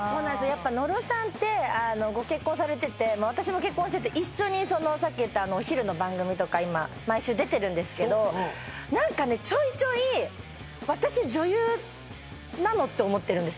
やっぱ野呂さんってあのご結婚されてて私も結婚してて一緒にそのさっき言ったお昼の番組とか今毎週出てるんですけど何かねちょいちょい野呂が？